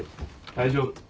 大丈夫。